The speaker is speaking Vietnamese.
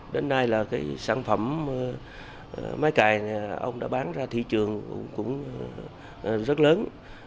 đến nay là cái sản phẩm máy cày này ông đã bán ra thị trường cũng rất lớn